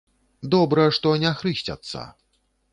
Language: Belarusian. Добра, што не хрысцяцца!